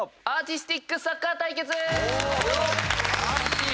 アーティスティックサッカー対決！